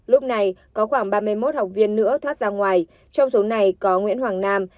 lúc này có khoảng ba mươi một học viên nữa thoát ra ngoài trong số này có nguyễn hoàng nam